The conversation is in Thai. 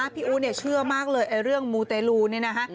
พี่อู๋เนี่ยเชื่อมากเลยเรื่องมูเตลูนี่นะคะ